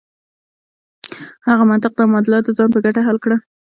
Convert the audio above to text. هغه منطق دا معادله د ځان په ګټه حل کړه.